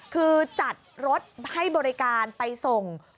คือจัดรถให้บริการไปส่ง